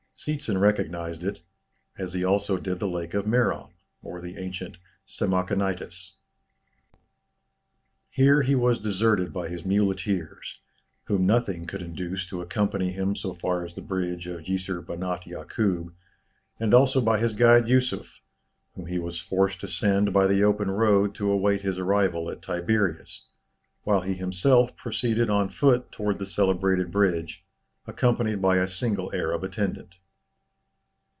Seetzen recognized it, as he also did the Lake of Merom, or the ancient Samachonitis. Here he was deserted by his muleteers, whom nothing could induce to accompany him so far as the bridge of Jisr Benat Yakûb, and also by his guide Yusuf, whom he was forced to send by the open road to await his arrival at Tiberias, while he himself proceeded on foot towards the celebrated bridge, accompanied by a single Arab attendant.